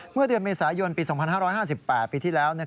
เมื่อเดือนเมษายนปี๒๕๕๘ปีที่แล้ว